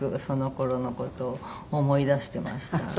その頃の事を思い出してました。